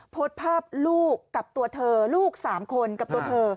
โพสต์ภาพลูกกับตัวเธอลูก๓คนกับตัวเธอ